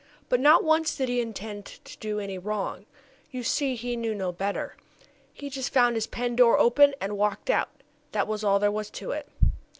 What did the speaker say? But not once did he intend to do any wrong; you see he knew no better. He just found his pen door open and walked out that was all there was to it.